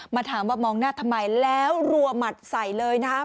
มาถามว่ามองหน้าทำไมแล้วรัวหมัดใส่เลยนะครับ